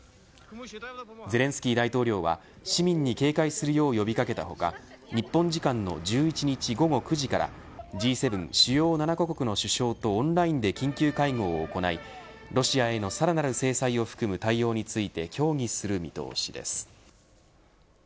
ゼレンスキー大統領は市民に警戒するよう呼び掛けた他日本時間の１１日午後９時からＧ７主要７カ国の首相とオンラインで緊急会合を行いロシアへのさらなる制裁を含む対応について協議する見通しです。